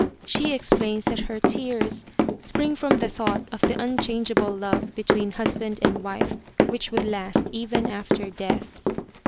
She ex plains that her tears spring from the thought of the unchangeable love between husband and wife, which would last even after death.